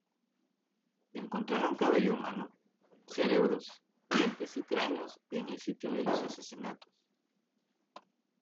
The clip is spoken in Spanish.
Encontraron cabello humano, cerebros, dientes y cráneos en el sitio de los asesinatos.